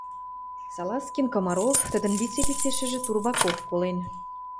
Салазкин — Комаров, тӹдӹн виселицешӹжӹ Турбаков колен